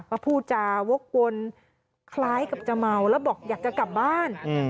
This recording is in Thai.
ก็พูดจาวกวนคล้ายกับจะเมาแล้วบอกอยากจะกลับบ้าน